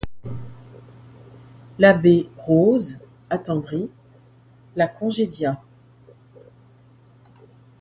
L'abbé Rose, attendri, la congédia.